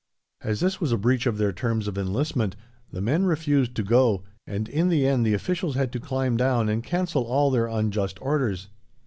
As this was a breach of their terms of enlistment, the men refused to go, and in the end the officials had to climb down and cancel all their unjust orders.